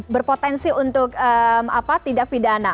berpotensi untuk tidak pidana